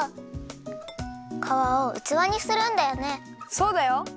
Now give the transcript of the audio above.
そうだよ！